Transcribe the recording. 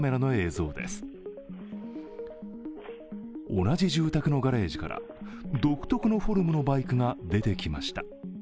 同じ住宅のガレージから独特のフォルムのバイクが出てきました。